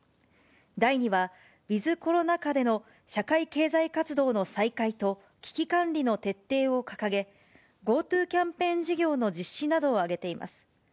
第２は、ウィズコロナ下での社会経済活動の再開と、危機管理の徹底を掲げ、ＧｏＴｏキャンペーン事業の実施などを挙げています。